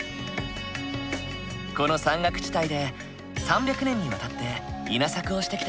この山岳地帯で３００年にわたって稲作をしてきた。